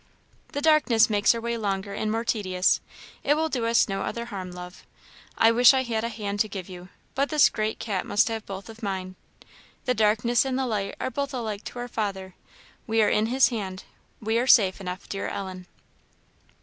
"The darkness makes our way longer and more tedious; it will do us no other harm, love. I wish I had a hand to give you, but this great cat must have both of mine. The darkness and the light are both alike to our Father: we are in his Hand; we are safe enough, dear Ellen."